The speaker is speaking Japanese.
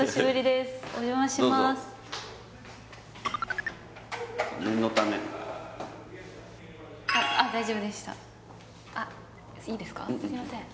すいません